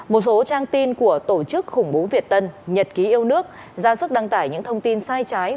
một số trang tin của tổ chức khủng bố việt tân nhật ký yêu nước ra sức đăng tải những thông tin sai trái